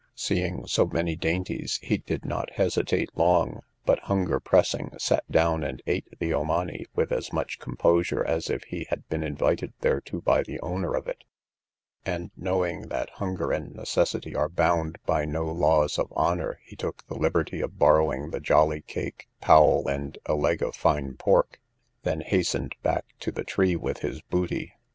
Seeing so many dainties, he did not hesitate long, but, hunger pressing, sat down and ate the omani with as much composure as if he had been invited thereto by the owner of it: and knowing that hunger and necessity are bound by no laws of honour, he took the liberty of borrowing the jolly cake, powell, and a leg of fine pork, then hastened back to the tree with his booty.